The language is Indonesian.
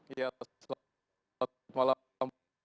ya selamat malam